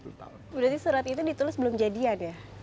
berarti surat itu ditulis belum jadi ya deh